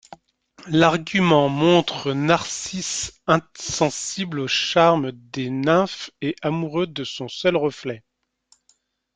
L'argument montre Narcisse insensible au charme des nymphes et amoureux de son seul reflet.